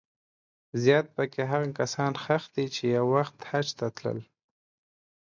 زیات په کې هغه کسان ښخ دي چې یو وخت حج ته تلل.